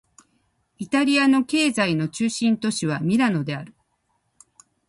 イタリアの経済の中心都市はミラノである